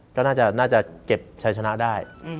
ก็น่าจะเก็บชัยชนะได้